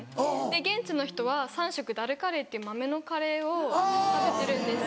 現地の人は３食ダルカレーっていう豆のカレーを食べてるんですよ。